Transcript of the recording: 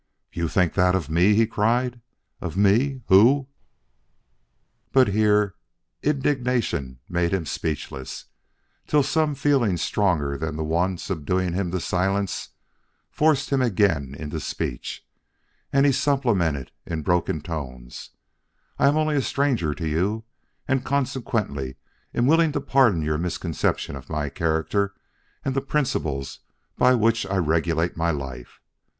"You think that of me!" he cried, "of me, who " But here indignation made him speechless, till some feeling stronger than the one subduing him to silence forced him again into speech, and he supplemented in broken tones: "I am only a stranger to you and consequently am willing to pardon your misconception of my character and the principles by which I regulate my life.